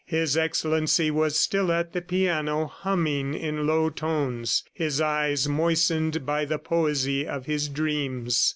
His Excellency was still at the piano humming in low tones, his eyes moistened by the poesy of his dreams.